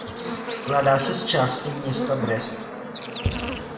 Skládá se z části města Brest.